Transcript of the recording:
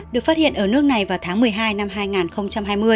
được phát hiện ở nước này vào tháng một mươi hai năm hai nghìn hai mươi